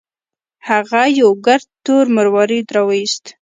هغه یو ګرد تور مروارید راوویست.